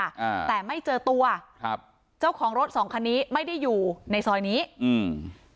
อ่าแต่ไม่เจอตัวครับเจ้าของรถสองคันนี้ไม่ได้อยู่ในซอยนี้อืม